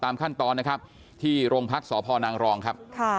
ตามขั้นตอนนะครับที่โรงพักษ์สพนรครับค่ะ